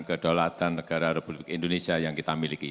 kedaulatan negara republik indonesia yang kita miliki